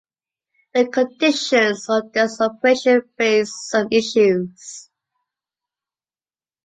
The conditions of this operation raise some issues.